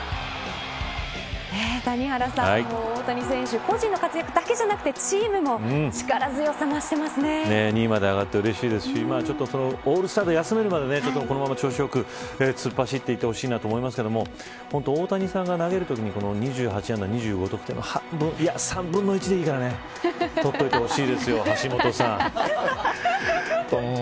谷原さん、大谷選手個人の活躍だけじゃなくて２位まで上がってうれしいですしオールスターで休めるまでこのまま調子よく突っ走っていってほしいなと思いますけど大谷さんが投げるときに２８安打２５得点の３分の１でいいから取っておいてほしいですよ